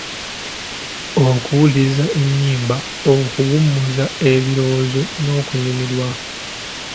Okuwuliriza ennyimba kuwummuza ebirowoozo n'okunyumirwa.